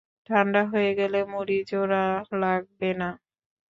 ঠান্ডা হয়ে গেলে মুড়ি জোড়া লাগবে না।